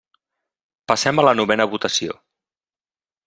Passem a la novena votació.